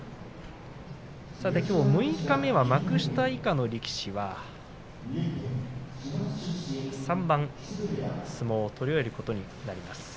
きょう六日目は幕下以下の力士は３番相撲を取り終えることになります。